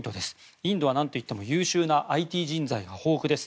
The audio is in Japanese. インドはなんと言っても優秀なＩＴ人材が豊富です。